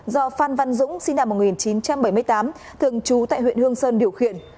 do phan văn dũng sinh năm một nghìn chín trăm bảy mươi tám thường trú tại huyện hương sơn điều khiển